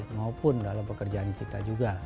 maupun dalam pekerjaan kita juga